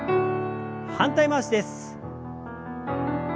反対回しです。